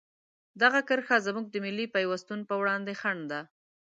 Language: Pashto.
دغه کرښه زموږ د ملي پیوستون په وړاندې خنډ ده.